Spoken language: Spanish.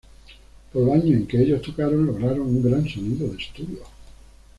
Por los años en que ellos tocaron lograron un gran sonido de estudio.